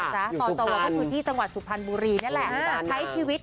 ตอนโตก็คือที่จังหวัดสุพรรณบุรีนี่แหละใช้ชีวิต